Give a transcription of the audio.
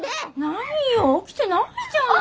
何よ起きてないじゃない。